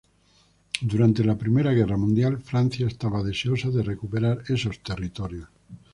Durante la Primera Guerra Mundial, Francia estaba deseosa de recuperar esos territorios.